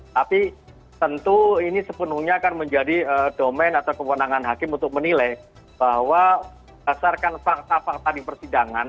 tapi tentu ini sepenuhnya akan menjadi domain atau kewenangan hakim untuk menilai bahwa dasarkan fakta fakta di persidangan